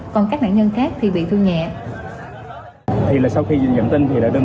còn các nạn nhân khác thì bị thương nhẹ